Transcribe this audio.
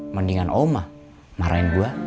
mendingan oma marahin gua